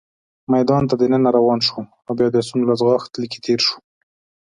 میدان ته دننه روان شوو، او بیا د اسونو له ځغاست لیکې تېر شوو.